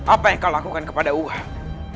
apa yang kau lakukan kepada tuhan